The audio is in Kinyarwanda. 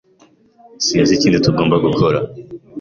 Sinzi ikindi tugomba gukora.